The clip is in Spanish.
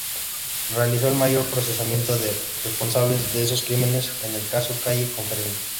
Realizó el mayor procesamiento de responsables de esos crímenes en el Caso Calle Conferencia.